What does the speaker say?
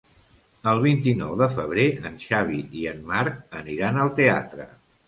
El vint-i-nou de febrer en Xavi i en Marc aniran al teatre.